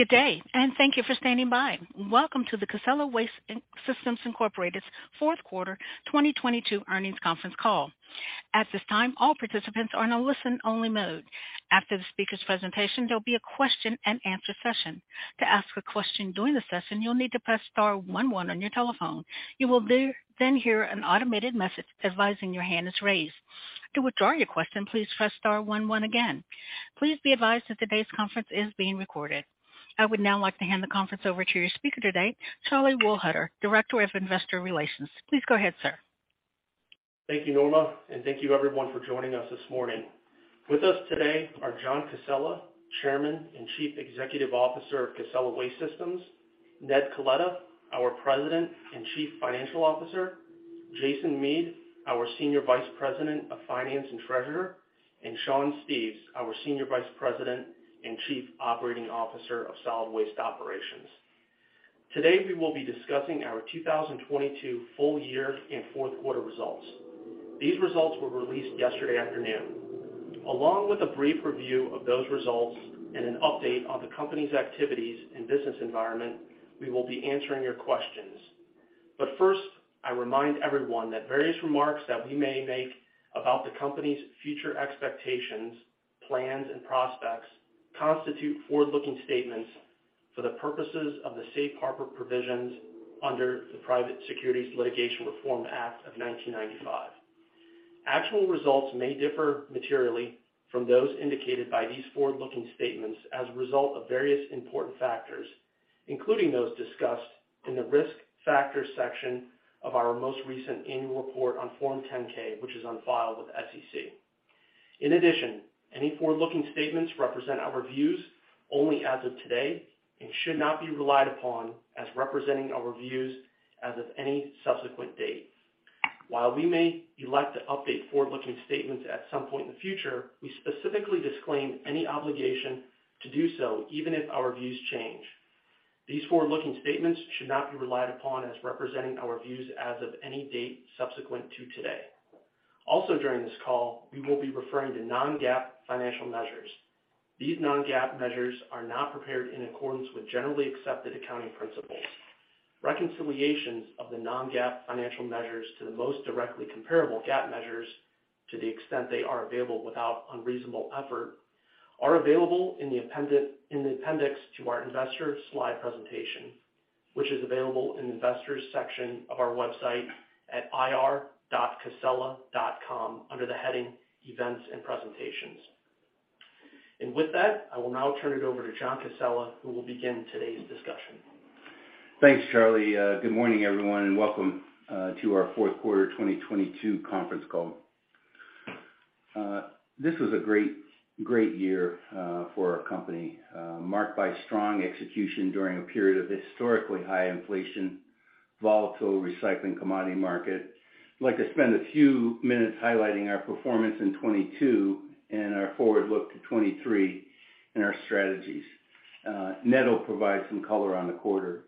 Good day. Thank you for standing by. Welcome to the Casella Waste Systems, Inc.'s fourth quarter 2022 earnings conference call. At this time, all participants are in a listen-only mode. After the speaker's presentation, there'll be a question-and-answer session. To ask a question during the session, you'll need to press star one one on your telephone. You will then hear an automated message advising your hand is raised. To withdraw your question, please press star one one again. Please be advised that today's conference is being recorded. I would now like to hand the conference over to your speaker today, Charlie Wohlhuter, Director of Investor Relations. Please go ahead, sir. Thank you, Norma, and thank you everyone for joining us this morning. With us today are John Casella, Chairman and Chief Executive Officer of Casella Waste Systems, Ned Coletta, our President and Chief Financial Officer, Jason Mead, our Senior Vice President of Finance and Treasurer, and Sean Steves, our Senior Vice President and Chief Operating Officer of Solid Waste Operations. Today, we will be discussing our 2022 full year and fourth quarter results. These results were released yesterday afternoon. Along with a brief review of those results and an update on the company's activities and business environment, we will be answering your questions. First, I remind everyone that various remarks that we may make about the company's future expectations, plans, and prospects constitute forward-looking statements for the purposes of the safe harbor provisions under the Private Securities Litigation Reform Act of 1995. Actual results may differ materially from those indicated by these forward-looking statements as a result of various important factors, including those discussed in the Risk Factors section of our most recent annual report on Form 10-K, which is on file with the SEC. In addition, any forward-looking statements represent our views only as of today and should not be relied upon as representing our views as of any subsequent date. While we may elect to update forward-looking statements at some point in the future, we specifically disclaim any obligation to do so even if our views change. These forward-looking statements should not be relied upon as representing our views as of any date subsequent to today. Also, during this call, we will be referring to non-GAAP financial measures. These non-GAAP measures are not prepared in accordance with generally accepted accounting principles. Reconciliations of the non-GAAP financial measures to the most directly comparable GAAP measures, to the extent they are available without unreasonable effort, are available in the appendix, in the appendix to our investor slide presentation, which is available in the Investors section of our website at ir.casella.com under the heading Events and Presentations. With that, I will now turn it over to John Casella, who will begin today's discussion. Thanks, Charlie. Good morning, everyone, and welcome to our fourth quarter 2022 conference call. This was a great year for our company, marked by strong execution during a period of historically high inflation, volatile recycling commodity market. I'd like to spend a few minutes highlighting our performance in 2022 and our forward look to 2023 and our strategies. Ned will provide some color on the quarter.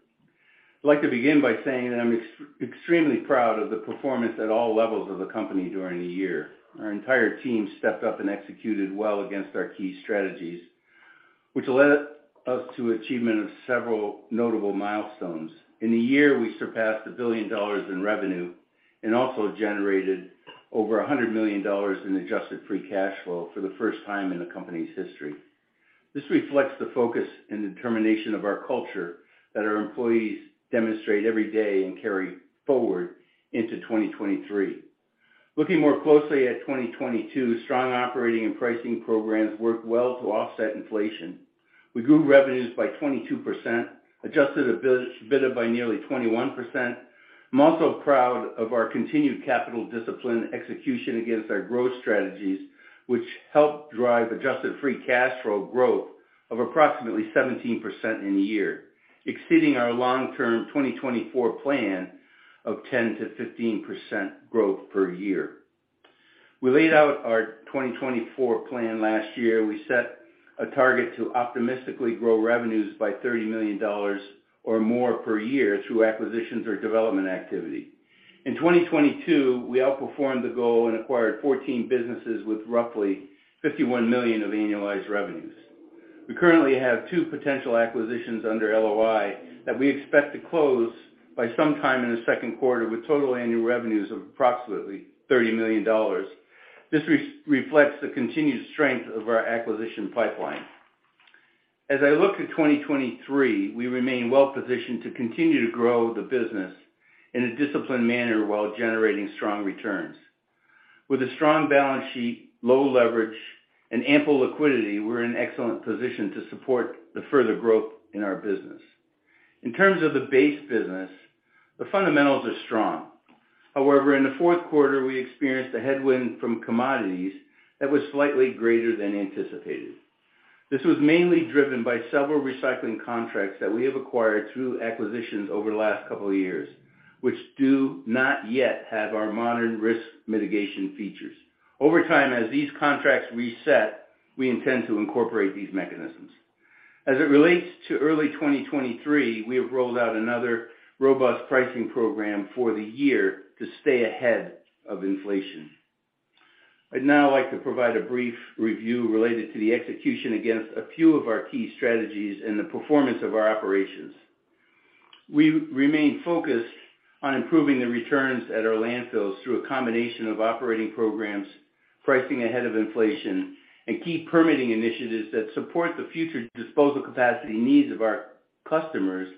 I'd like to begin by saying that I'm extremely proud of the performance at all levels of the company during the year. Our entire team stepped up and executed well against our key strategies, which led us to achievement of several notable milestones. In a year, we surpassed $1 billion in revenue and also generated over $100 million in adjusted free cash flow for the first time in the company's history. This reflects the focus and determination of our culture that our employees demonstrate every day and carry forward into 2023. Looking more closely at 2022, strong operating and pricing programs worked well to offset inflation. We grew revenues by 22%, adjusted EBITDA by nearly 21%. I'm also proud of our continued capital discipline execution against our growth strategies, which helped drive adjusted free cash flow growth of approximately 17% in a year, exceeding our long-term 2024 plan of 10%-15% growth per year. We laid out our 2024 plan last year. We set a target to optimistically grow revenues by $30 million or more per year through acquisitions or development activity. In 2022, we outperformed the goal and acquired 14 businesses with roughly $51 million of annualized revenues. We currently have two potential acquisitions under LOI that we expect to close by sometime in the second quarter with total annual revenues of approximately $30 million. This re-reflects the continued strength of our acquisition pipeline. As I look to 2023, we remain well positioned to continue to grow the business in a disciplined manner while generating strong returns. With a strong balance sheet, low leverage, and ample liquidity, we're in excellent position to support the further growth in our business. In terms of the base business, the fundamentals are strong. However, in the fourth quarter, we experienced a headwind from commodities that was slightly greater than anticipated. This was mainly driven by several recycling contracts that we have acquired through acquisitions over the last couple of years, which do not yet have our modern risk mitigation features. Over time, as these contracts reset, we intend to incorporate these mechanisms. As it relates to early 2023, we have rolled out another robust pricing program for the year to stay ahead of inflation. I'd now like to provide a brief review related to the execution against a few of our key strategies and the performance of our operations. We remain focused on improving the returns at our landfills through a combination of operating programs, pricing ahead of inflation, and key permitting initiatives that support the future disposal capacity needs of our customers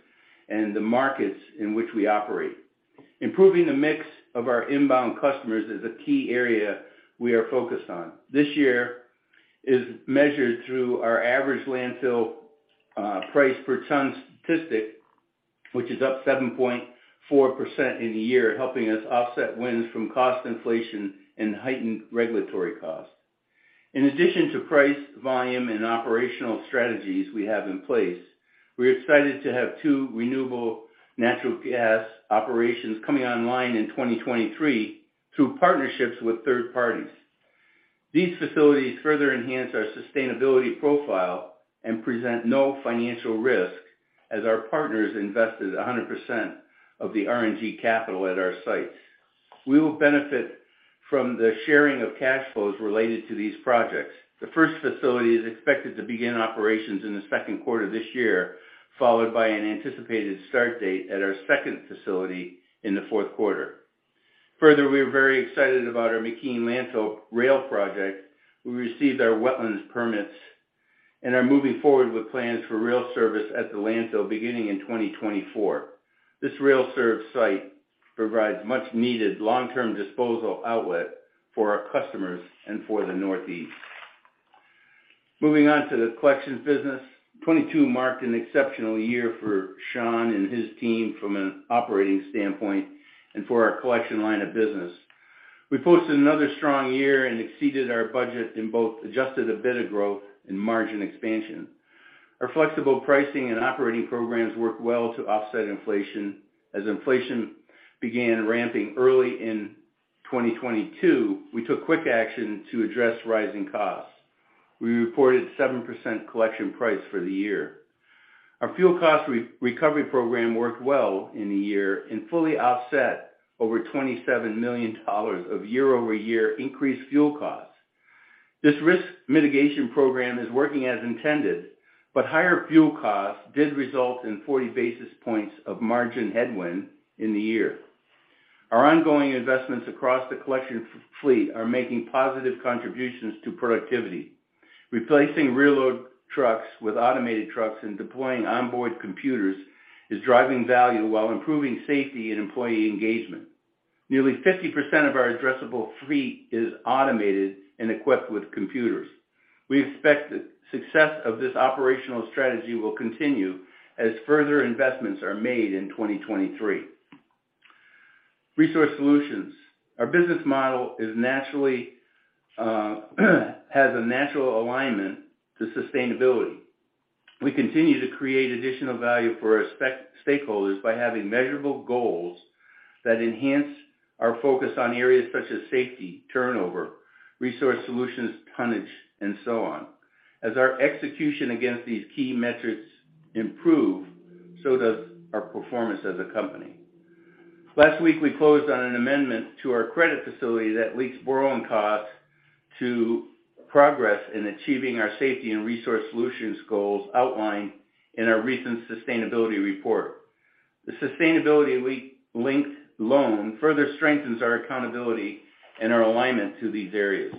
and the markets in which we operate. Improving the mix of our inbound customers is a key area we are focused on. This year is measured through our average landfill, price per ton statistic, which is up 7.4% in the year, helping us offset wins from cost inflation and heightened regulatory costs. In addition to price, volume, and operational strategies we have in place, we're excited to have two renewable natural gas operations coming online in 2023 through partnerships with third parties. These facilities further enhance our sustainability profile and present no financial risk as our partners invested 100% of the RNG capital at our sites. We will benefit from the sharing of cash flows related to these projects. The first facility is expected to begin operations in the second quarter of this year, followed by an anticipated start date at our second facility in the fourth quarter. Further, we are very excited about our McKean Landfill rail project. We received our wetlands permits and are moving forward with plans for rail service at the landfill beginning in 2024. This rail serve site provides much-needed long-term disposal outlet for our customers and for the Northeast. Moving on to the collections business. 2022 marked an exceptional year for Sean and his team from an operating standpoint and for our collection line of business. We posted another strong year and exceeded our budget in both adjusted EBITDA growth and margin expansion. Our flexible pricing and operating programs worked well to offset inflation. As inflation began ramping early in 2022, we took quick action to address rising costs. We reported 7% collection price for the year. Our fuel cost recovery program worked well in the year and fully offset over $27 million of year-over-year increased fuel costs. This risk mitigation program is working as intended, but higher fuel costs did result in 40 basis points of margin headwind in the year. Our ongoing investments across the collection fleet are making positive contributions to productivity. Replacing rear-load trucks with automated trucks and deploying onboard computers is driving value while improving safety and employee engagement. Nearly 50% of our addressable fleet is automated and equipped with computers. We expect the success of this operational strategy will continue as further investments are made in 2023. Resource solutions. Our business model is naturally has a natural alignment to sustainability. We continue to create additional value for our stakeholders by having measurable goals that enhance our focus on areas such as safety, turnover, resource solutions, tonnage, and so on. As our execution against these key metrics improve, so does our performance as a company. Last week, we closed on an amendment to our credit facility that links borrowing costs to progress in achieving our safety and resource solutions goals outlined in our recent sustainability report. The sustainability-linked loan further strengthens our accountability and our alignment to these areas.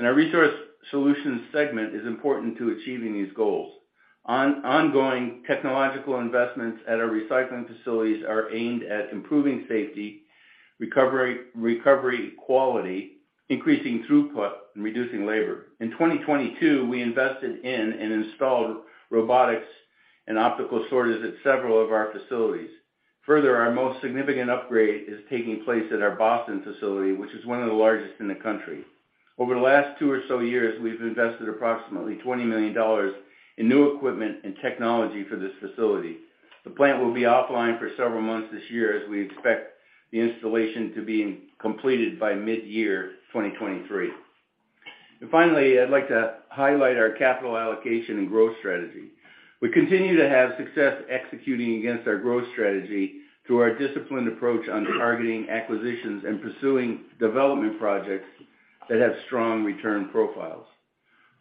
Our resource solutions segment is important to achieving these goals. Ongoing technological investments at our recycling facilities are aimed at improving safety, recovery quality, increasing throughput, and reducing labor. In 2022, we invested in and installed robotics and optical sorters at several of our facilities. Further, our most significant upgrade is taking place at our Boston facility, which is one of the largest in the country. Over the last two or so years, we've invested approximately $20 million in new equipment and technology for this facility. The plant will be offline for several months this year as we expect the installation to be completed by mid-year 2023. Finally, I'd like to highlight our capital allocation and growth strategy. We continue to have success executing against our growth strategy through our disciplined approach on targeting acquisitions and pursuing development projects that have strong return profiles.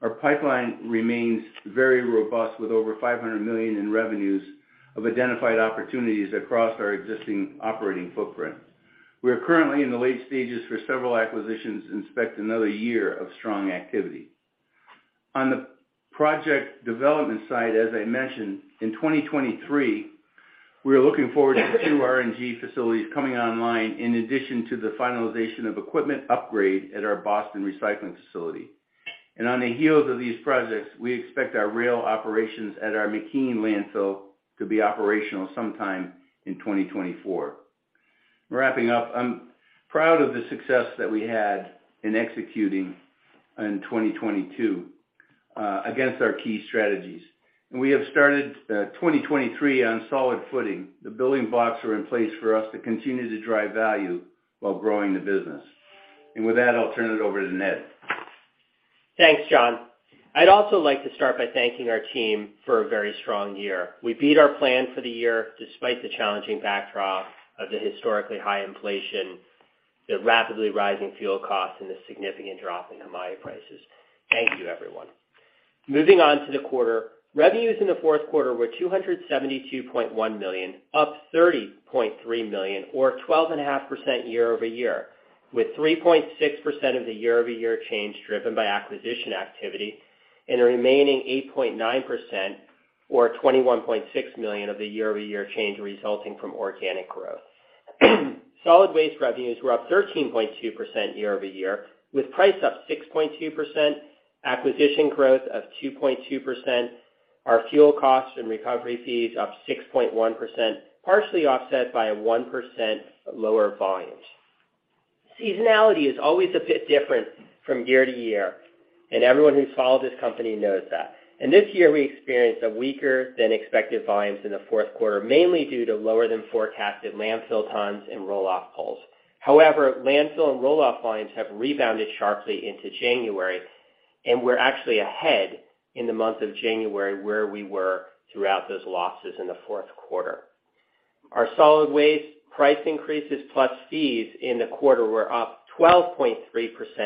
Our pipeline remains very robust with over $500 million in revenues of identified opportunities across our existing operating footprint. We are currently in the late stages for several acquisitions and expect another year of strong activity. On the project development side, as I mentioned, in 2023, we are looking forward to two RNG facilities coming online in addition to the finalization of equipment upgrade at our Boston recycling facility. On the heels of these projects, we expect our rail operations at our McKean Landfill to be operational sometime in 2024. Wrapping up, I'm proud of the success that we had in executing in 2022 against our key strategies. We have started 2023 on solid footing. The building blocks are in place for us to continue to drive value while growing the business. With that, I'll turn it over to Ned. Thanks, John. I'd also like to start by thanking our team for a very strong year. We beat our plan for the year despite the challenging backdrop of the historically high inflation, the rapidly rising fuel costs, and the significant drop in commodity prices. Thank you, everyone. Moving on to the quarter. Revenues in the fourth quarter were $272.1 million, up $30.3 million or 12.5% year-over-year, with 3.6% of the year-over-year change driven by acquisition activity and the remaining 8.9% or $21.6 million of the year-over-year change resulting from organic growth. Solid waste revenues were up 13.2% year-over-year, with price up 6.2%, acquisition growth of 2.2%. Our fuel costs and recovery fees up 6.1%, partially offset by a 1% lower volumes. Seasonality is always a bit different from year to year, everyone who's followed this company knows that. This year, we experienced a weaker than expected volumes in the fourth quarter, mainly due to lower than forecasted landfill tons and roll-off pulls. However, landfill and roll-off volumes have rebounded sharply into January, and we're actually ahead in the month of January, where we were throughout those losses in the fourth quarter. Our solid waste price increases plus fees in the quarter were up 12.3%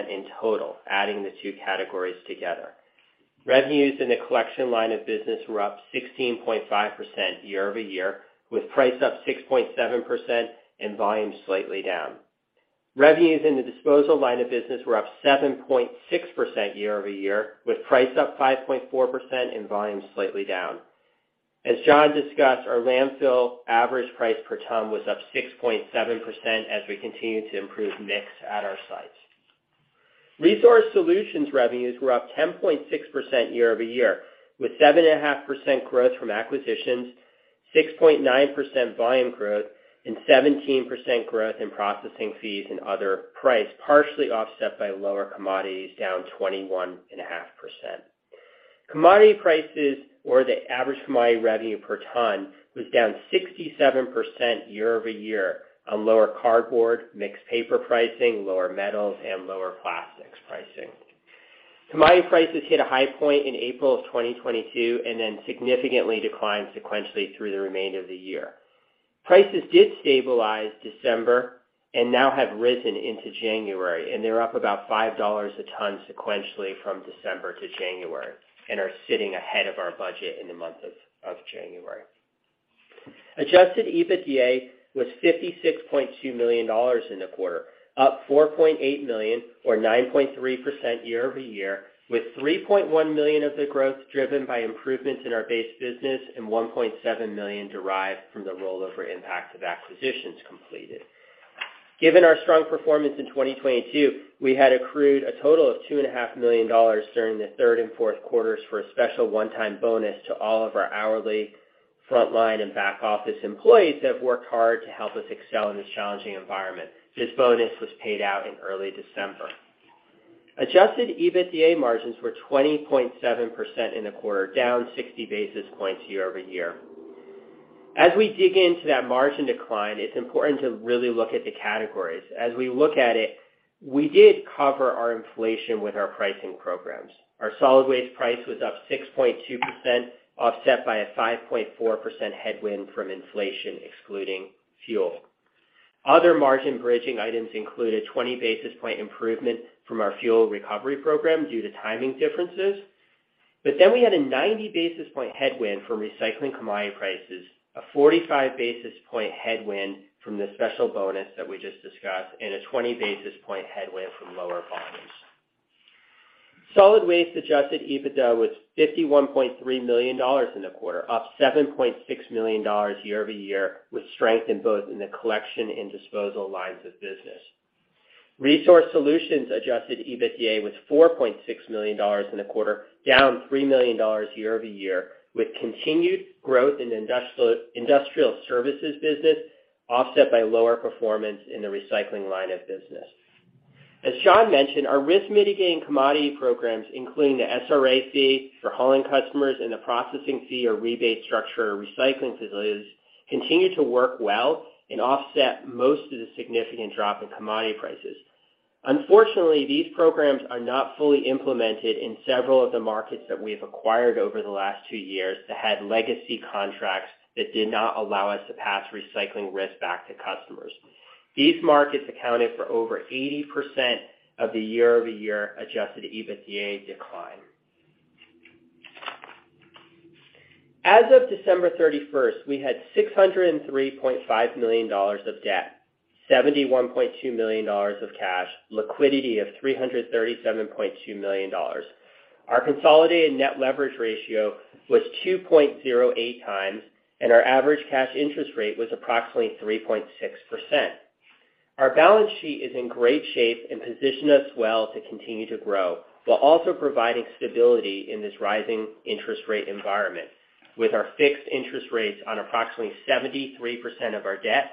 in total, adding the two categories together. Revenues in the collection line of business were up 16.5% year-over-year, with price up 6.7% and volume slightly down. Revenues in the disposal line of business were up 7.6% year-over-year, with price up 5.4% and volume slightly down. As John discussed, our landfill average price per ton was up 6.7% as we continue to improve mix at our sites. Resource solutions revenues were up 10.6% year-over-year, with 7.5% growth from acquisitions, 6.9% volume growth, and 17% growth in processing fees and other price, partially offset by lower commodities down 21.5%. Commodity prices or the average commodity revenue per ton was down 67% year-over-year on lower cardboard, mixed paper pricing, lower metals, and lower plastics pricing. Commodity prices hit a high point in April of 2022 and then significantly declined sequentially through the remainder of the year. Prices did stabilize December and now have risen into January. They're up about $5 a ton sequentially from December to January and are sitting ahead of our budget in the month of January. Adjusted EBITDA was $56.2 million in the quarter, up $4.8 million or 9.3% year-over-year, with $3.1 million of the growth driven by improvements in our base business and $1.7 million derived from the rollover impact of acquisitions completed. Given our strong performance in 2022, we had accrued a total of $2,500,000 during the third and fourth quarters for a special one-time bonus to all of our hourly frontline and back office employees that have worked hard to help us excel in this challenging environment. This bonus was paid out in early December. Adjusted EBITDA margins were 20.7% in the quarter, down 60 basis points year-over-year. As we dig into that margin decline, it's important to really look at the categories. As we look at it, we did cover our inflation with our pricing programs. Our solid waste price was up 6.2%, offset by a 5.4% headwind from inflation excluding fuel. Other margin bridging items included 20 basis point improvement from our fuel recovery program due to timing differences. We had a 90 basis point headwind from recycling commodity prices, a 45 basis point headwind from the special bonus that we just discussed, and a 20 basis point headwind from lower volumes. Solid waste adjusted EBITDA was $51.3 million in the quarter, up $7.6 million year-over-year, with strength in both in the collection and disposal lines of business. Resource solutions adjusted EBITDA was $4.6 million in the quarter, down $3 million year-over-year, with continued growth in industrial services business offset by lower performance in the recycling line of business. As John mentioned, our risk mitigating commodity programs, including the SRA fee for hauling customers and the processing fee or rebate structure or recycling facilities, continue to work well and offset most of the significant drop in commodity prices. Unfortunately, these programs are not fully implemented in several of the markets that we've acquired over the last two years that had legacy contracts that did not allow us to pass recycling risk back to customers. These markets accounted for over 80% of the year-over-year adjusted EBITDA decline. As of December 31st, we had $603.5 million of debt, $71.2 million of cash, liquidity of $337.2 million. Our consolidated net leverage ratio was 2.08 times, and our average cash interest rate was approximately 3.6%. Our balance sheet is in great shape and position us well to continue to grow while also providing stability in this rising interest rate environment with our fixed interest rates on approximately 73% of our debt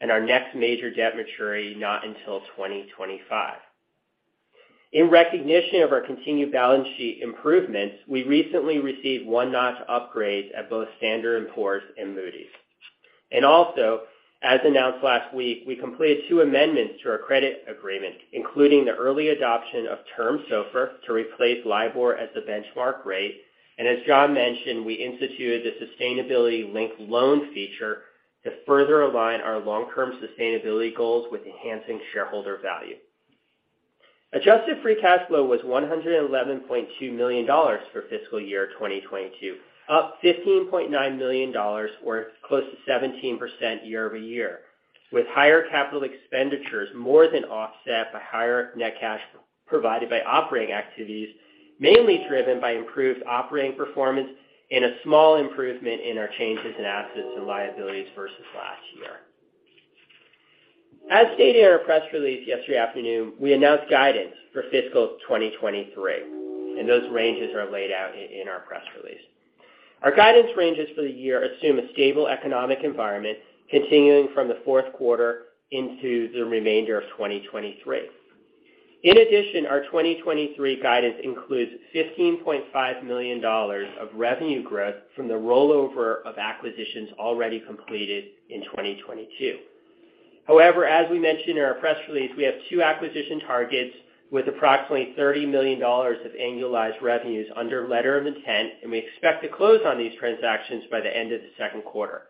and our next major debt maturity not until 2025. In recognition of our continued balance sheet improvements, we recently received one notch upgrades at both Standard & Poor's and Moody's. Also, as announced last week, we completed two amendments to our credit agreement, including the early adoption of term SOFR to replace LIBOR as the benchmark rate. As John mentioned, we instituted the sustainability-linked loan feature to further align our long-term sustainability goals with enhancing shareholder value. Adjusted free cash flow was $111.2 million for fiscal year 2022, up $15.9 million, or close to 17% year-over-year, with higher capital expenditures more than offset by higher net cash provided by operating activities, mainly driven by improved operating performance and a small improvement in our changes in assets and liabilities versus last year. As stated in our press release yesterday afternoon, we announced guidance for fiscal 2023, and those ranges are laid out in our press release. Our guidance ranges for the year assume a stable economic environment continuing from the fourth quarter into the remainder of 2023. In addition, our 2023 guidance includes $15.5 million of revenue growth from the rollover of acquisitions already completed in 2022. However, as we mentioned in our press release, we have two acquisition targets with approximately $30 million of annualized revenues under letter of intent, and we expect to close on these transactions by the end of the second quarter.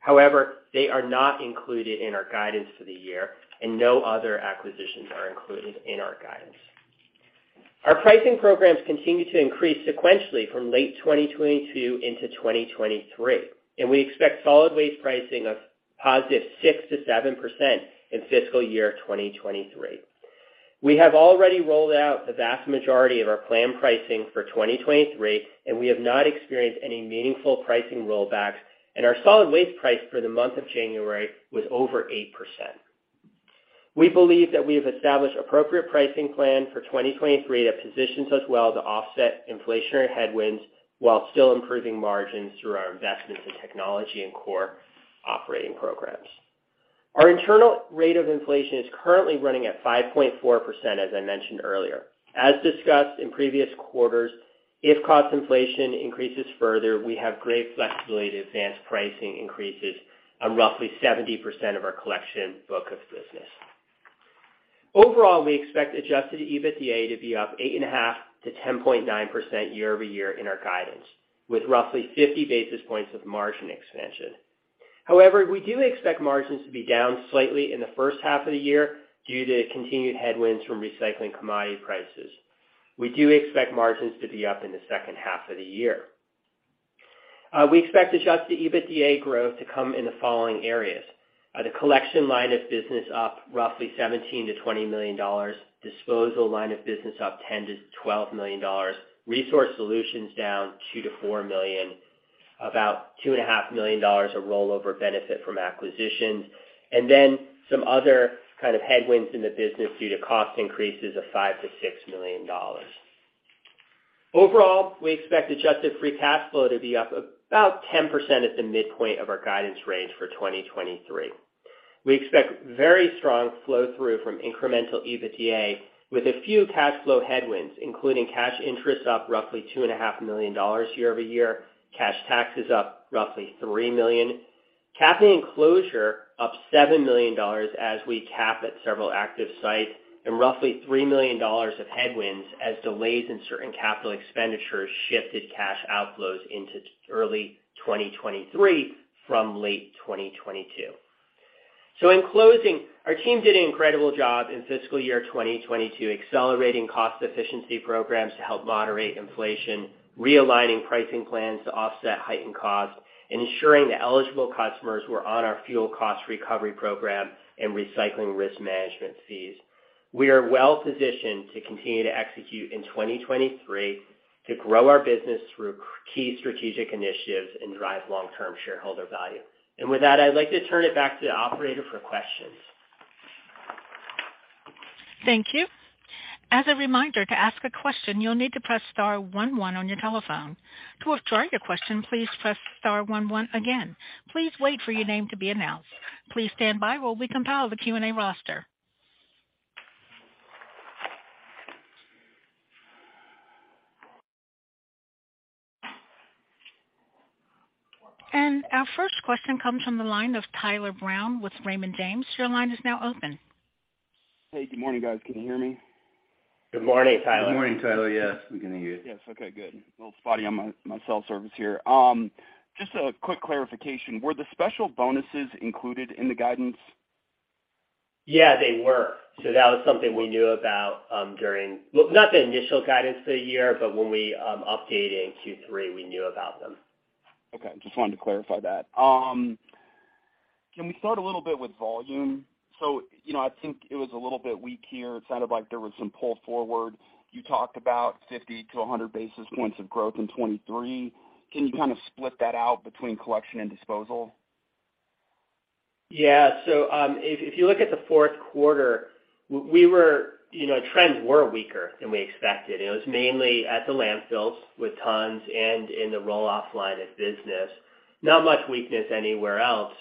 However, they are not included in our guidance for the year, and no other acquisitions are included in our guidance. Our pricing programs continue to increase sequentially from late 2022 into 2023, and we expect solid waste pricing of positive 6%-7% in fiscal year 2023. We have already rolled out the vast majority of our planned pricing for 2023, and we have not experienced any meaningful pricing rollbacks, and our solid waste price for the month of January was over 8%. We believe that we have established appropriate pricing plan for 2023 that positions us well to offset inflationary headwinds while still improving margins through our investments in technology and core operating programs. Our internal rate of inflation is currently running at 5.4%, as I mentioned earlier. As discussed in previous quarters, if cost inflation increases further, we have great flexibility to advance pricing increases on roughly 70% of our collection book of business. Overall, we expect adjusted EBITDA to be up 8.5%-10.9% year-over-year in our guidance, with roughly 50 basis points of margin expansion. We do expect margins to be down slightly in the first half of the year due to continued headwinds from recycling commodity prices. We do expect margins to be up in the second half of the year. We expect adjusted EBITDA growth to come in the following areas: the collection line of business up roughly $17 million-$20 million, disposal line of business up $10 million-$12 million, resource solutions down $2 million-$4 million, about two and a half million dollars of rollover benefit from acquisitions, and then some other kind of headwinds in the business due to cost increases of $5 million-$6 million. Overall, we expect adjusted free cash flow to be up about 10% at the midpoint of our guidance range for 2023. We expect very strong flow-through from incremental EBITDA with a few cash flow headwinds, including cash interest up roughly $2,500,000 year-over-year, cash taxes up roughly $3 million, capping closure up $7 million as we cap at several active sites, and roughly $3 million of headwinds as delays in certain capital expenditures shifted cash outflows into early 2023 from late 2022. In closing, our team did an incredible job in fiscal year 2022, accelerating cost efficiency programs to help moderate inflation, realigning pricing plans to offset heightened costs, and ensuring that eligible customers were on our fuel cost recovery program and recycling risk management fees. We are well-positioned to continue to execute in 2023 to grow our business through key strategic initiatives and drive long-term shareholder value. With that, I'd like to turn it back to the operator for questions. Thank you. As a reminder, to ask a question, you'll need to press star one one on your telephone. To withdraw your question, please press star one one again. Please wait for your name to be announced. Please stand by while we compile the Q&A roster. Our first question comes from the line of Tyler Brown with Raymond James. Your line is now open. Hey, good morning, guys. Can you hear me? Good morning, Tyler. Good morning, Tyler. Yes, we can hear you. Yes. Okay, good. A little spotty on my cell service here. Just a quick clarification. Were the special bonuses included in the guidance? Yeah, they were. That was something we knew about, Well, not the initial guidance for the year, but when we updated in Q3, we knew about them. Okay. Just wanted to clarify that. Can we start a little bit with volume? You know, I think it was a little bit weak here. It sounded like there was some pull forward. You talked about 50 to 100 basis points of growth in 2023. Can you kind of split that out between collection and disposal? Yeah. If, if you look at the fourth quarter, we were. You know, trends were weaker than we expected, and it was mainly at the landfills with tons and in the roll-off line of business. Not much weakness anywhere else.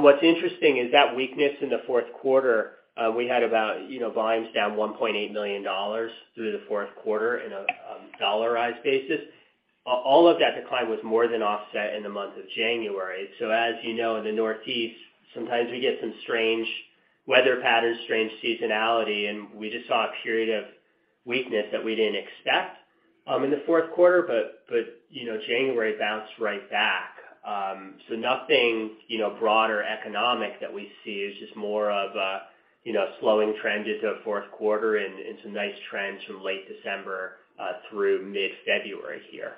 What's interesting is that weakness in the fourth quarter, we had about, you know, volumes down $1.8 million through the fourth quarter in a dollarized basis. All of that decline was more than offset in the month of January. As you know, in the Northeast, sometimes we get some strange weather patterns, strange seasonality, and we just saw a period of weakness that we didn't expect in the fourth quarter. But, you know, January bounced right back. Nothing, you know, broader economic that we see. It's just more of a, you know, slowing trend into the fourth quarter and some nice trends from late December through mid-February here.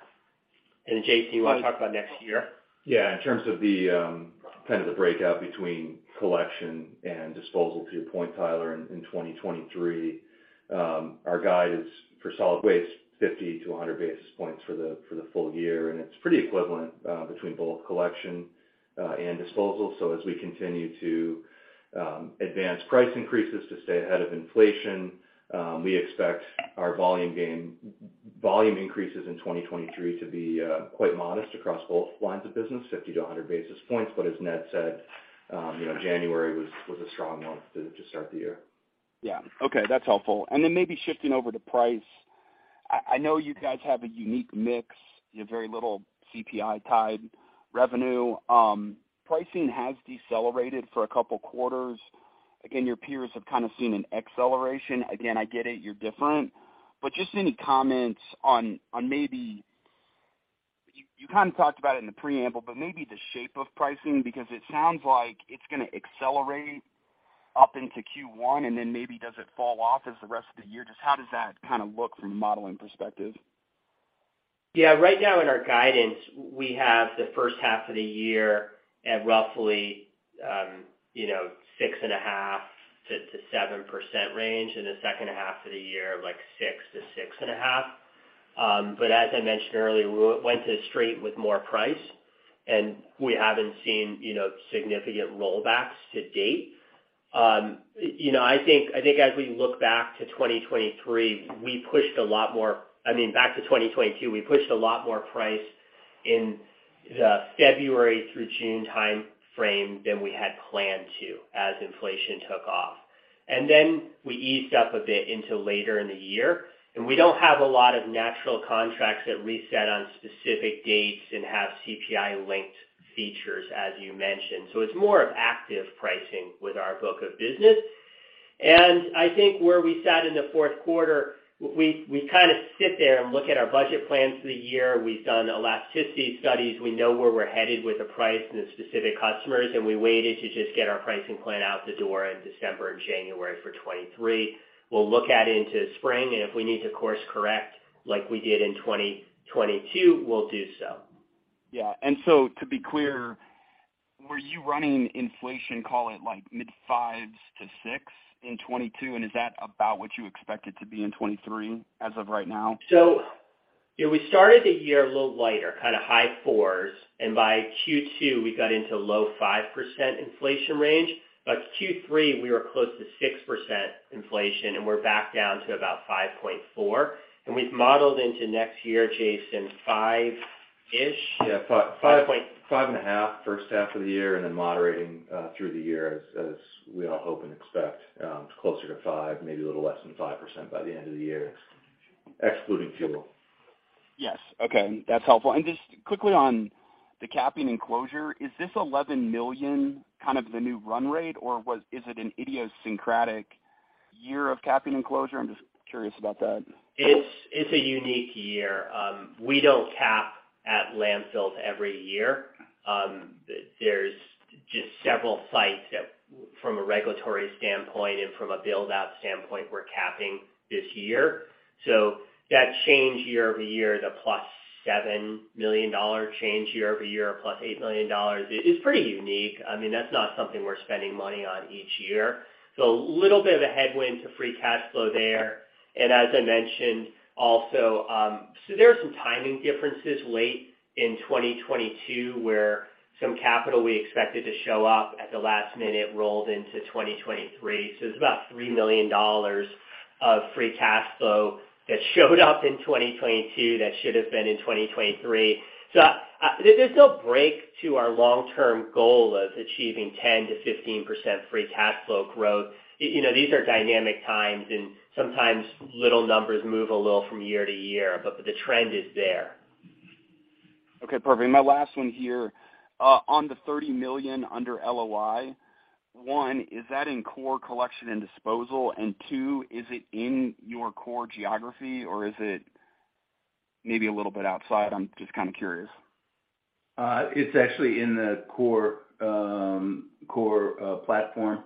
Then, Jason, you wanna talk about next year? Yeah. In terms of the breakout between collection and disposal, to your point, Tyler, in 2023, our guide is for solid waste, 50-100 basis points for the full year, and it's pretty equivalent between both collection and disposal. As we continue to advance price increases to stay ahead of inflation, we expect our volume increases in 2023 to be quite modest across both lines of business, 50-100 basis points. As Ned said, you know, January was a strong month to start the year. Yeah. Okay, that's helpful. Then maybe shifting over to price. I know you guys have a unique mix. You have very little CPI-tied revenue. Pricing has decelerated for a couple quarters. Again, your peers have kind of seen an acceleration. Again, I get it, you're different. Just any comments on maybe.. You kind of talked about it in the preamble, but maybe the shape of pricing, because it sounds like it's gonna accelerate up into Q1, and then maybe does it fall off as the rest of the year? Just how does that kinda look from a modeling perspective? Yeah. Right now in our guidance, we have the first half of the year at roughly, you know, 6.5%-7% range, and the second half of the year, like 6%-6.5%. As I mentioned earlier, we went to straight with more price, and we haven't seen, you know, significant rollbacks to date. You know, I think as we look back to 2023, we pushed a lot more. I mean, back to 2022, we pushed a lot more price in the February through June timeframe than we had planned to, as inflation took off. We eased up a bit into later in the year. We don't have a lot of natural contracts that reset on specific dates and have CPI-linked features, as you mentioned. It's more of active pricing with our book of business. I think where we sat in the fourth quarter, we kinda sit there and look at our budget plans for the year. We've done elasticity studies. We know where we're headed with the price and the specific customers. We waited to just get our pricing plan out the door in December and January for 2023. We'll look at it into spring. If we need to course correct like we did in 2022, we'll do so. Yeah. To be clear, were you running inflation, call it like mid-5%s-6% in 2022, and is that about what you expect it to be in 2023 as of right now? you know, we started the year a little lighter, kinda high 4%, and by Q2, we got into low 5% inflation range. By Q3, we were close to 6% inflation, and we're back down to about 5.4%. We've modeled into next year, Jason, 5%-ish. Yeah. 5%. 5.5% first half of the year, and then moderating, through the year as we all hope and expect, closer to 5, maybe a little less than 5% by the end of the year, excluding fuel. Yes. Okay. That's helpful. Just quickly on the capping and closure. Is this $11 million kind of the new run rate, or is it an idiosyncratic year of capping and closure? I'm just curious about that. It's a unique year. We don't cap at landfills every year. There's just several sites that from a regulatory standpoint and from a build-out standpoint, we're capping this year. That change year-over-year, the plus $7 million change year-over-year, or plus $8 million, is pretty unique. I mean, that's not something we're spending money on each year. A little bit of a headwind to free cash flow there. As I mentioned also, there are some timing differences late in 2022, where some capital we expected to show up at the last minute rolled into 2023. It's about $3 million of free cash flow that showed up in 2022 that should have been in 2023. There's no break to our long-term goal of achieving 10%-15% free cash flow growth. You know, these are dynamic times, and sometimes little numbers move a little from year to year, but the trend is there. Okay, perfect. My last one here. On the $30 million under LOI, one, is that in core collection and disposal? two, is it in your core geography, or is it maybe a little bit outside? I'm just kinda curious. it's actually in the core platform,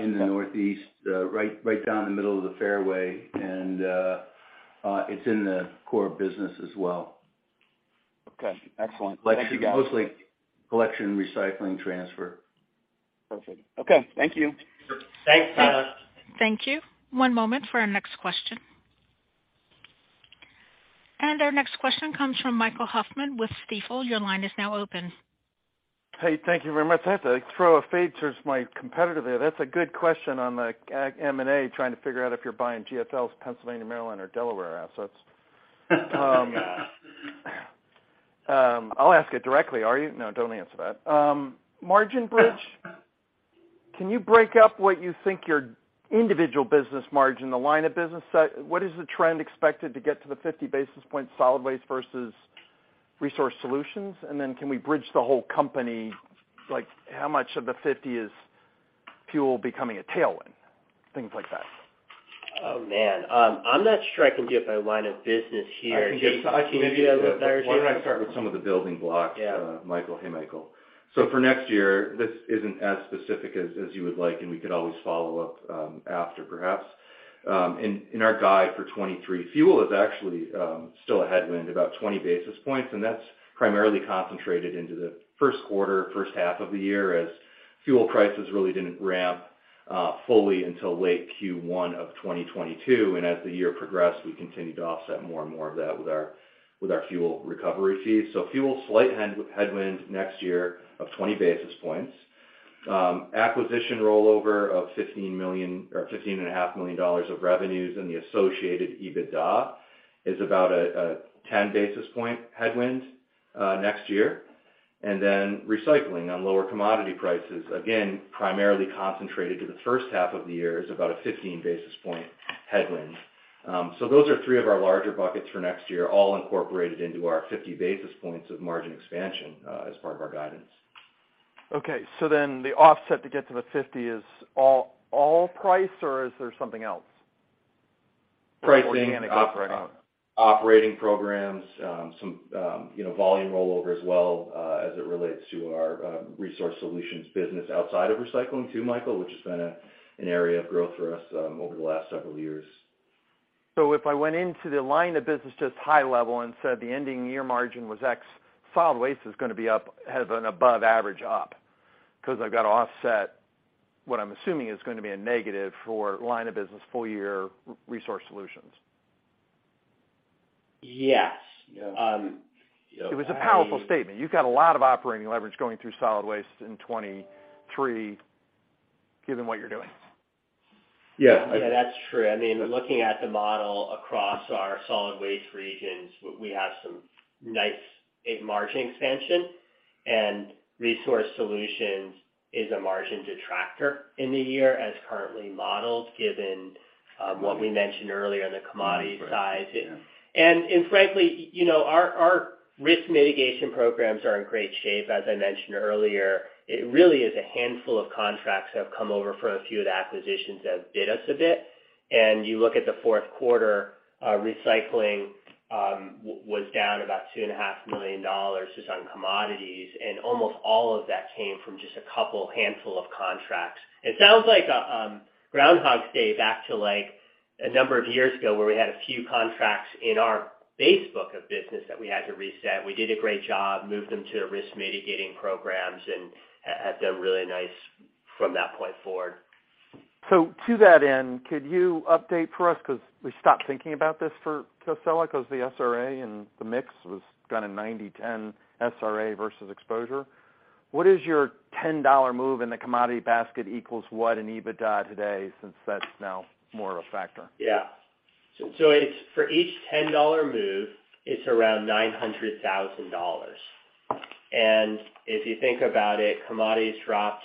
in the Northeast, right down the middle of the fairway. It's in the core business as well. Okay. Excellent. Thank you, guys. Like mostly collection, recycling, transfer. Perfect. Okay, thank you. Thanks, Tyler. Thank you. One moment for our next question. Our next question comes from Michael Hoffman with Stifel. Your line is now open. Hey, thank you very much. I have to throw a fade towards my competitor there. That's a good question on the M&A, trying to figure out if you're buying GFL's Pennsylvania, Maryland, or Delaware assets. I'll ask it directly. Are you? No, don't answer that. margin bridge, can you break up what you think your individual business margin, the line of business What is the trend expected to get to the 50 basis points solid waste versus Resource solutions. Can we bridge the whole company? Like how much of the 50 is fuel becoming a tailwind, things like that? Oh, man. I'm not sure I can do it by line of business here. I can give, I can maybe do it. Can you do that a little better, Jason? Why don't I start with some of the building blocks. Yeah. Michael. Hey, Michael. For next year, this isn't as specific as you would like, and we could always follow up after perhaps. In our guide for 2023, fuel is actually still a headwind, about 20 basis points, and that's primarily concentrated into the first quarter, first half of the year as fuel prices really didn't ramp fully until late Q1 of 2022. As the year progressed, we continued to offset more and more of that with our fuel recovery fees. Fuel, slight headwind next year of 20 basis points. Acquisition rollover of $15 million or $15.5 million of revenues and the associated EBITDA is about a 10 basis point headwind next year. Recycling on lower commodity prices, again, primarily concentrated to the first half of the year is about a 15 basis point headwind. Those are three of our larger buckets for next year, all incorporated into our 50 basis points of margin expansion as part of our guidance. The offset to get to the 50 is all price or is there something else? Pricing- Organic operating. Operating programs, you know, volume rollover as well, as it relates to our resource solutions business outside of recycling too, Michael, which has been an area of growth for us over the last several years. If I went into the line of business just high level and said the ending year margin was X, solid waste is gonna be up as an above average up because I've got to offset what I'm assuming is gonna be a negative for line of business full year resource solutions? Yes. I mean. It was a powerful statement. You've got a lot of operating leverage going through solid waste in 2023, given what you're doing. Yeah. Yeah, that's true. I mean, looking at the model across our solid waste regions, we have some nice margin expansion. Resource Solutions is a margin detractor in the year as currently modeled, given what we mentioned earlier on the commodity side. Yeah. Frankly, you know, our risk mitigation programs are in great shape. As I mentioned earlier, it really is a handful of contracts have come over from a few of the acquisitions that bit us a bit. You look at the fourth quarter, recycling was down about two and a half million dollars just on commodities, and almost all of that came from just a couple handful of contracts. It sounds like Groundhog's Day back to, like, a number of years ago, where we had a few contracts in our base book of business that we had to reset. We did a great job, moved them to risk mitigating programs and have done really nice from that point forward. To that end, could you update for us, because we stopped thinking about this for Casella because the SRA and the mix was kind of 90/10 SRA versus exposure. What is your $10 move in the commodity basket equals what in EBITDA today since that's now more of a factor? Yeah. So it's for each $10 move, it's around $900,000. If you think about it, commodities dropped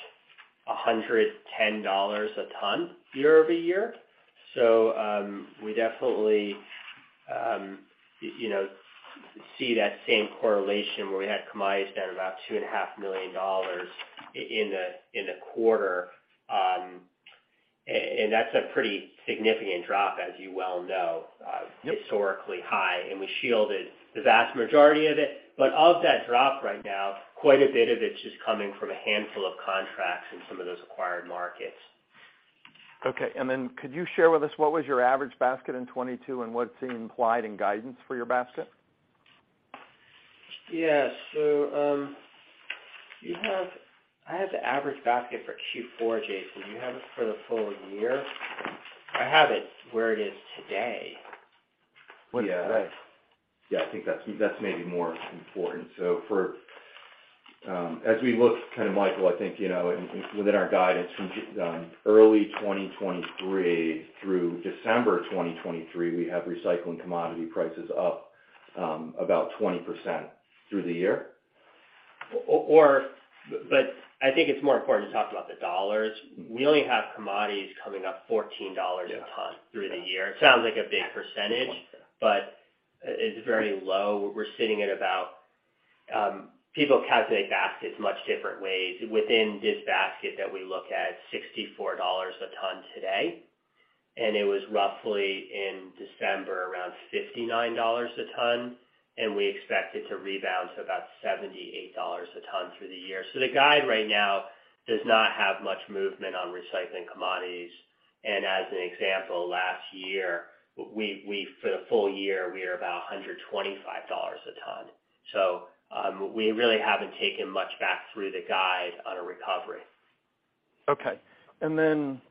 $110 a ton year-over-year. We definitely, you know, see that same correlation where we had commodities down about two and a half million dollars in the quarter. And that's a pretty significant drop, as you well know. Yep. Historically high, we shielded the vast majority of it. Of that drop right now, quite a bit of it's just coming from a handful of contracts in some of those acquired markets. Okay. Could you share with us what was your average basket in 2022 and what's implied in guidance for your basket? Yeah. I have the average basket for Q4, Jason. Do you have it for the full year? I have it where it is today. Yeah. Right. Yeah. I think that's maybe more important. For, as we look kind of, Michael, I think, you know, and within our guidance from, early 2023 through December 2023, we have recycling commodity prices up, about 20% through the year. I think it's more important to talk about the dollars. We only have commodities coming up $14 a ton through the year. It sounds like a big percentage, but it's very low. We're sitting at about People calculate baskets much different ways. Within this basket that we look at, $64 a ton today, and it was roughly in December around $59 a ton, and we expect it to rebound to about $78 a ton through the year. The guide right now does not have much movement on recycling commodities. As an example, last year, we, for the full year, we are about $125 a ton. We really haven't taken much back through the guide on a recovery. Okay. On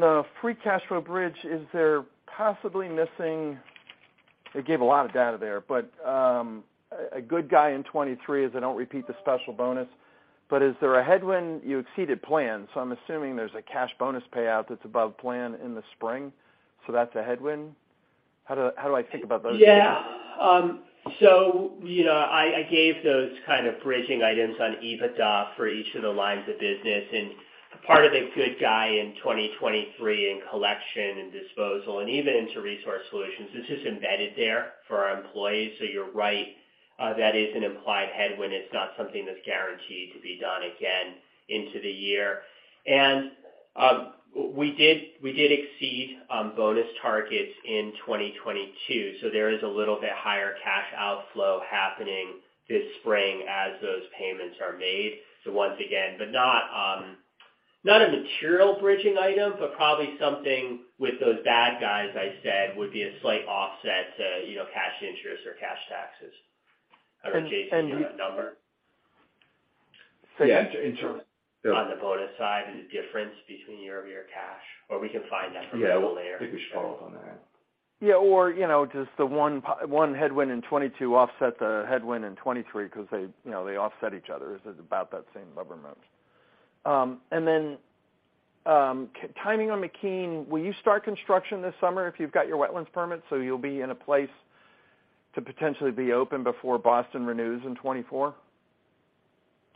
the free cash flow bridge, is there possibly missing. It gave a lot of data there, a good guy in 2023 as I don't repeat the special bonus. Is there a headwind? You exceeded plan, so I'm assuming there's a cash bonus payout that's above plan in the spring, so that's a headwind. How do I think about those two? Yeah. You know, I gave those kind of bridging items on EBITDA for each of the lines of business. Part of the good guy in 2023 in collection and disposal and even into resource solutions, this is embedded there for our employees. You're right, that is an implied headwind. It's not something that's guaranteed to be done again into the year. We did exceed bonus targets in 2022, there is a little bit higher cash outflow happening this spring as those payments are made. Once again, not a material bridging item, probably something with those bad guys I said would be a slight offset to, you know, cash interest or cash taxes adjacent to that number. So in terms- On the bonus side, the difference between year-over-year cash, or we can find that for you a little later. Yeah. I think we should follow up on that. Yeah, or, you know, just the one headwind in 2022 offset the headwind in 2023 because they, you know, they offset each other, so it's about that same number amount. Timing on McKean, will you start construction this summer if you've got your wetlands permit, so you'll be in a place to potentially be open before Boston renews in 2024?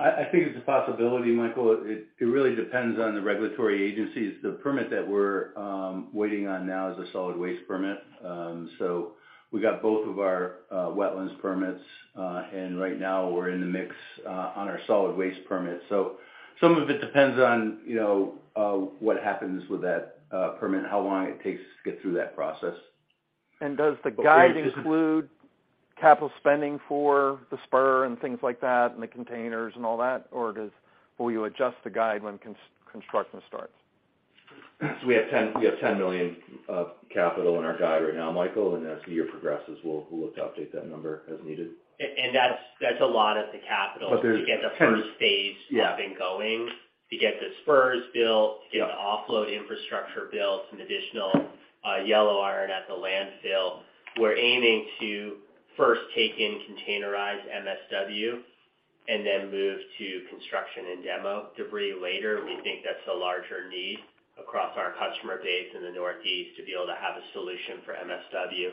I think it's a possibility, Michael. It really depends on the regulatory agencies. The permit that we're waiting on now is a solid waste permit. We've got both of our wetlands permits, and right now we're in the mix on our solid waste permit. Some of it depends on, you know, what happens with that permit, how long it takes to get through that process. Does the guide include capital spending for the spur and things like that and the containers and all that? Will you adjust the guide when construction starts? We have $10 million of capital in our guide right now, Michael, and as the year progresses, we'll look to update that number as needed. That's a lot of the capital-. there's- -to get the first phase- Yeah. Up and going. To get the spurs built, to get the offload infrastructure built, some additional yellow iron at the landfill. We're aiming to first take in containerized MSW and then move to construction and demo debris later. We think that's a larger need across our customer base in the Northeast to be able to have a solution for MSW.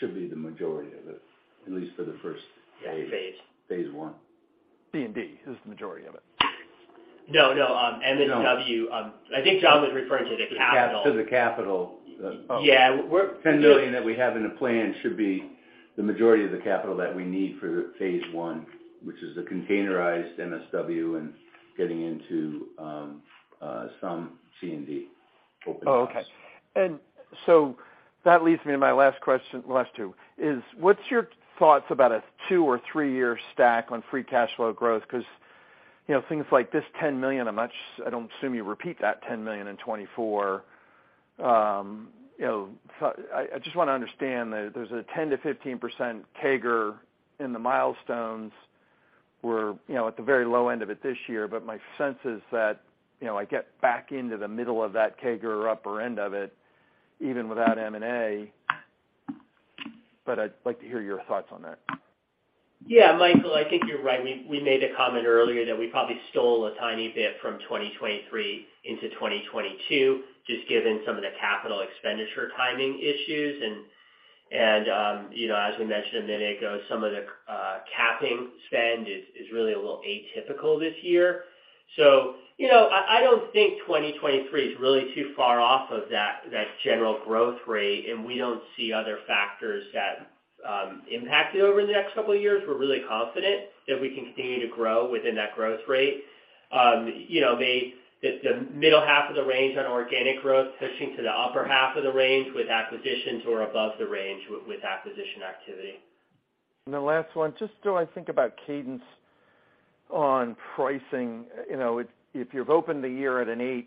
Should be the majority of it, at least for the first phase. Yeah, phase. phase I. C&D is the majority of it. No, no. MSW, I think John was referring to the capital. To the capital. Yeah. $10 million that we have in the plan should be the majority of the capital that we need for phase one, which is the containerized MSW and getting into some C&D. Oh, okay. That leads me to my last question, last two, is what's your thoughts about a two or three-year stack on free cash flow growth? Because, you know, things like this $10 million, I'm not I don't assume you repeat that $10 million in 2024. You know, I just wanna understand that there's a 10%-15% CAGR in the milestones. We're, you know, at the very low end of it this year, my sense is that, you know, I get back into the middle of that CAGR or upper end of it, even without M&A. I'd like to hear your thoughts on that. Yeah. Michael, I think you're right. We made a comment earlier that we probably stole a tiny bit from 2023 into 2022, just given some of the capital expenditure timing issues. You know, as we mentioned a minute ago, some of the capping spend is really a little atypical this year. You know, I don't think 2023 is really too far off of that general growth rate, and we don't see other factors that impact it over the next couple of years. We're really confident that we can continue to grow within that growth rate. You know, the middle half of the range on organic growth, pushing to the upper half of the range with acquisitions or above the range with acquisition activity. The last one, just so I think about cadence on pricing. You know, if you've opened the year at an 8%,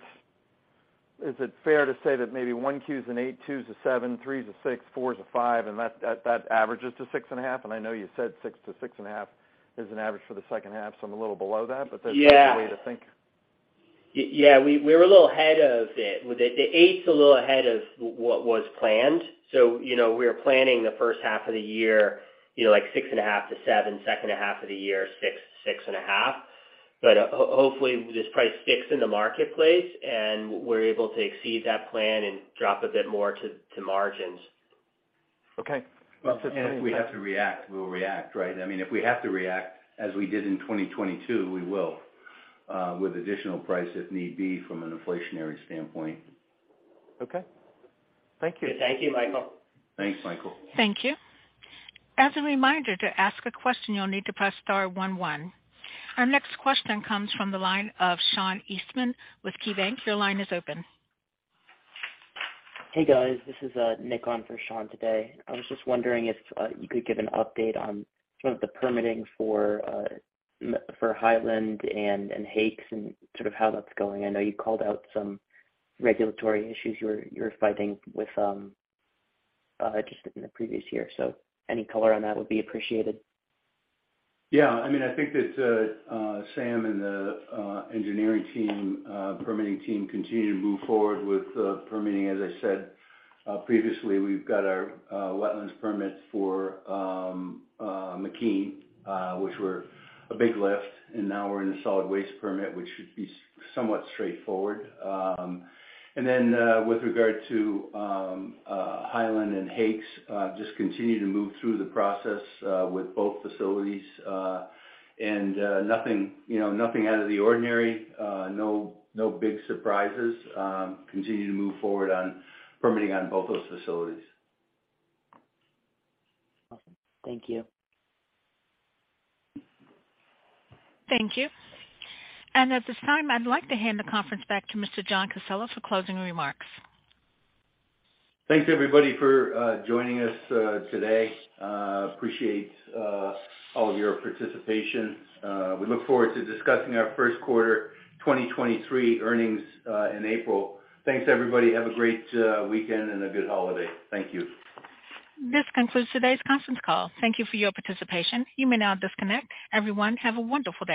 is it fair to say that maybe 1Q is an 8%, 2's a 7%, 3's a 6%, 4's a 5%, and that averages to 6.5%? I know you said 6%-6.5% is an average for the second half, so I'm a little below that, but that's. Yeah. the way to think. Yeah. We're a little ahead of it. The 8%'s a little ahead of what was planned. You know, we were planning the first half of the year, you know, like 6.5%-7%, second half of the year, 6%-6.5%. Hopefully, this price sticks in the marketplace, and we're able to exceed that plan and drop a bit more to margins. Okay. If we have to react, we'll react, right? I mean, if we have to react as we did in 2022, we will with additional price if need be from an inflationary standpoint. Okay. Thank you. Thank you, Michael. Thanks, Michael. Thank you. As a reminder, to ask a question, you'll need to press star one one. Our next question comes from the line of Sean Eastman with KeyBanc. Your line is open. Hey, guys. This is Nick on for Sean today. I was just wondering if you could give an update on some of the permitting for Highland and Yates and sort of how that's going. I know you called out some regulatory issues you were fighting with just in the previous year. Any color on that would be appreciated. Yeah. I mean, I think that Sam and the engineering team, permitting team continue to move forward with permitting. As I said previously, we've got our wetlands permit for McKean, which were a big lift, and now we're in the solid waste permit, which should be somewhat straightforward. Then with regard to Highland and Yates, just continue to move through the process with both facilities. Nothing, you know, nothing out of the ordinary, no big surprises. Continue to move forward on permitting on both those facilities. Awesome. Thank you. Thank you. At this time, I'd like to hand the conference back to Mr. John Casella for closing remarks. Thanks everybody for joining us today. Appreciate all of your participation. We look forward to discussing our first quarter 2023 earnings in April. Thanks, everybody. Have a great weekend and a good holiday. Thank you. This concludes today's conference call. Thank you for your participation. You may now disconnect. Everyone, have a wonderful day.